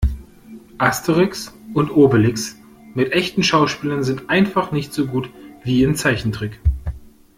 Asterix und Obelix mit echten Schauspielern sind einfach nicht so gut wie in Zeichentrick.